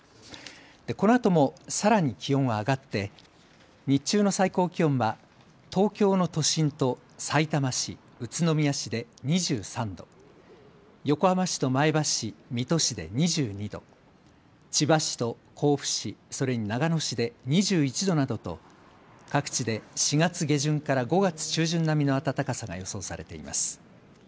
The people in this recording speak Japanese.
このあともさらに気温は上がって、日中の最高気温は東京の都心とさいたま市、宇都宮市で２３度、横浜市と前橋市、水戸市で２２度、千葉市と甲府市、それに長野市で２１度などと各地で４月下旬から５月中旬並みの暖かさが予想されています。